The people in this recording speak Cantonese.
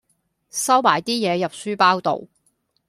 收埋啲嘢入書包度